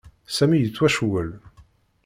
Sami yettwacewwel.